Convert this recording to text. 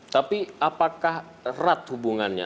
tapi apakah erat hubungannya